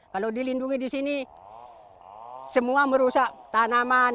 kalau dilindungi di sini semua merusak tanaman